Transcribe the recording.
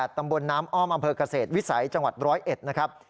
ตำบลน้ำอ้อมอำเภอกเกษตรวิสัยจังหวัด๑๐๑นะครับ